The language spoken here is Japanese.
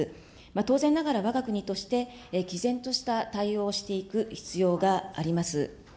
当然ながらわが国として、きぜんとした対応をしていく必要があります。